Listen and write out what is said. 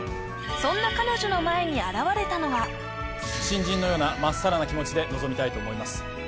そんな彼女の前に現れたのは新人のようなまっさらな気持ちで臨みたいと思います